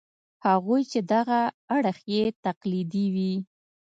هغوی چې دغه اړخ یې تقلیدي وي.